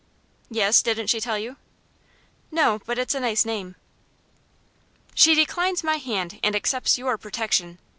"Yes; didn't she tell you?" "No; but it's a nice name." "She declines my hand, and accepts your protection.